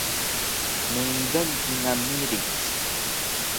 Meydang kingal miric